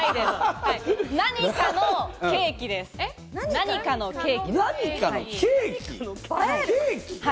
何かのケーキです。